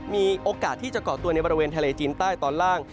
มีโอกาสที่จะเกาะตัวในบริเวณทะเลจีนใต้ตอนล่าง